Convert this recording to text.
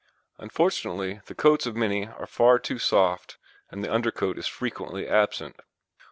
Unfortunately the coats of many are far too soft and the undercoat is frequently absent.